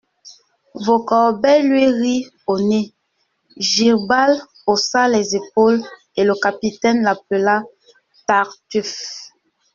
Vaucorbeil lui rit au nez, Girbal haussa les épaules, et le capitaine l'appela Tartuffe.